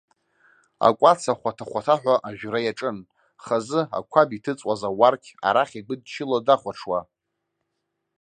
Акәац ахәаҭа-хәаҭаҳәа ажәра иаҿын, хазы ақәаб иҭыҵуаз ауарқь арахь игәыдчыло, дахәаҽуа.